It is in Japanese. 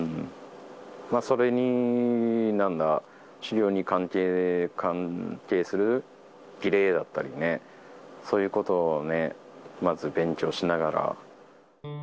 それに、なんだ、狩猟に関係する儀礼だったりね、そういうことをね、まず勉強しながら。